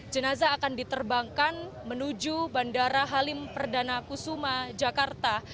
jenazah akan diterbangkan menuju bandara halim perdana kusuma jakarta